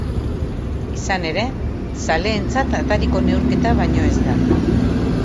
Izan ere, zaleenetzat atariko neurketa baino ez da.